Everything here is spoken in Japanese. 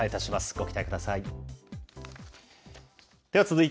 ご期待ください。